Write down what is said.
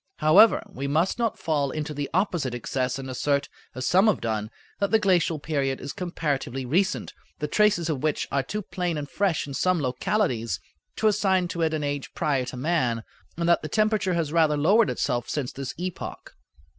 However, we must not fall into the opposite excess and assert, as some have done, that the glacial period is comparatively recent, the traces of which are too plain and fresh in some localities to assign to it an age prior to man, and that the temperature has rather lowered itself since this epoch.